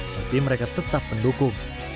tapi mereka tetap mendukung